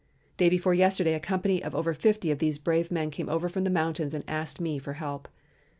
Day before yesterday a company of over fifty of these brave men came over from the mountains and asked me for help.